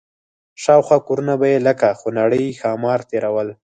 شاوخوا کورونه به یې لکه خونړي ښامار تېرول.